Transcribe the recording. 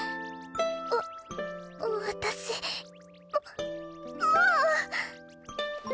わ私ももう！